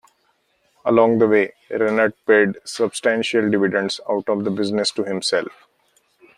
Along the way, Rennert paid substantial dividends out of the business to himself.